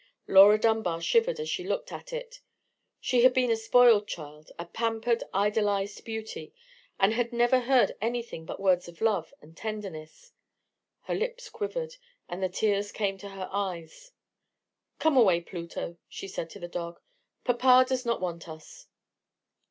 Laura Dunbar shivered as she looked at it. She had been a spoiled child; a pampered, idolized beauty; and had never heard anything but words of love and tenderness. Her lips quivered, and the tears came into her eyes. "Come away, Pluto," she said to the dog; "papa does not want us."